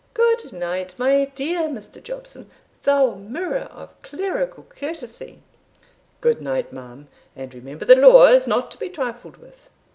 Good night, my dear Mr. Jobson, thou mirror of clerical courtesy." "Good night, ma'am, and remember the law is not to be trifled with."